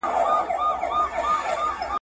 هغه څوک چي سبزیحات تياروي روغ وي!؟